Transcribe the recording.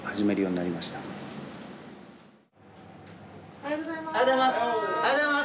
おはようございます。